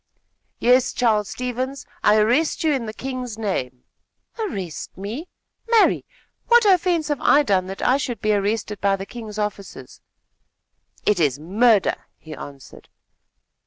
"Yes, Charles Stevens, I arrest you in the king's name." "Arrest me? Marry! what offence have I done that I should be arrested by the king's officers?" "It is murder!" he answered.